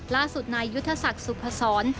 ล่าสุดนายยุทธศักดิ์สุพศร